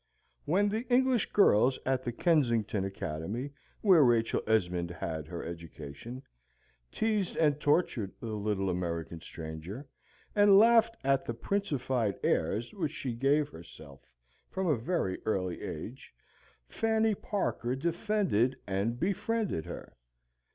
When the English girls at the Kensington Academy, where Rachel Esmond had her education, teased and tortured the little American stranger, and laughed at the princified airs which she gave herself from a very early age, Fanny Parker defended and befriended her.